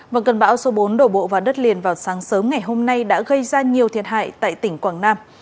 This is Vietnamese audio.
và cơn bão số bốn đổ bộ vào đất liền vào sáng sớm ngày hôm nay đã gây ra nhiều thiệt hại tại tỉnh quảng nam